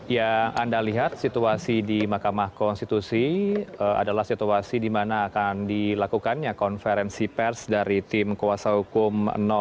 ya anda lihat situasi di makamah konstitusi adalah situasi di mana akan dilakukannya konferensi pers dari tim kuasa hukum satu